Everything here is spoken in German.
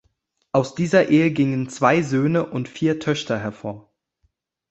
Aus dieser Ehe gingen zwei Söhne und vier Töchter hervor.